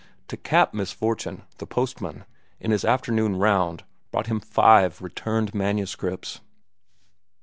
To cap misfortune, the postman, in his afternoon round, brought him five returned manuscripts.